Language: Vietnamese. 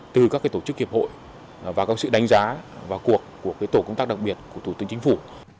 từ các tổ chức kiệp hội và các sự đánh giá vào cuộc của tổ công tác đặc biệt của tổ tư chính phủ